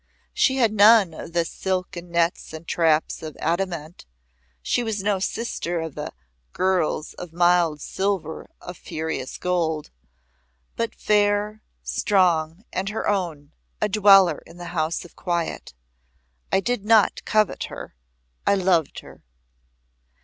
She had none of the "silken nets and traps of adamant," she was no sister of the "girls of mild silver or of furious gold;" but fair, strong, and her own, a dweller in the House of Quiet. I did not covet her. I loved her.